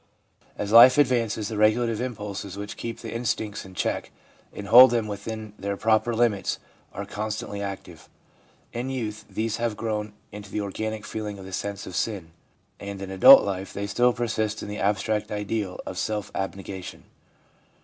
As life advances, the regulative impulses which keep the instincts in check and hold them within their proper limits are constantly active. In youth these have grown into the organic feeling of the sense of sin ; and in adult life they still persist in the abstract ideal of self abnegation.